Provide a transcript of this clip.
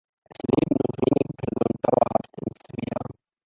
Es leben nur wenige Personen dauerhaft in Svea.